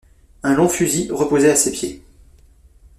Un long fusil reposait à ses pieds.